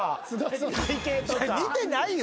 似てないよ！